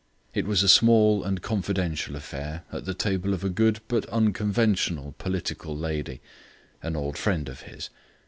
It was a small and confidential affair at the table of a good but unconventional political lady, an old friend of his.